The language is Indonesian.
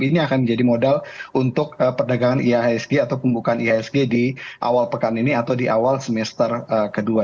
ini akan menjadi modal untuk perdagangan ihsg atau pembukaan ihsg di awal pekan ini atau di awal semester kedua